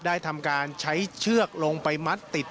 ได้ทำการใช้เชือกลงไปมัดติด